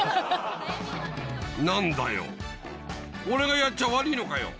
何だよ俺がやっちゃ悪ぃのかよ？